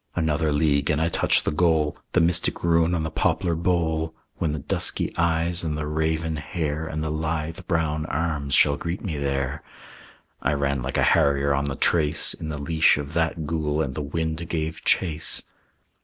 Another league, and I touch the goal, The mystic rune on the poplar bole, When the dusky eyes and the raven hair And the lithe brown arms shall greet me there. I ran like a harrier on the trace In the leash of that ghoul, and the wind gave chase.